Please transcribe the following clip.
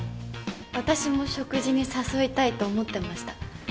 私も食事に誘いたいと思ってました。